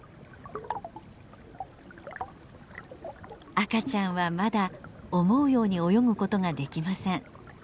赤ちゃんはまだ思うように泳ぐことができません。